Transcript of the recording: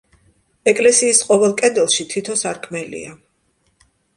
ეკლესიის ყოველ კედელში თითო სარკმელია.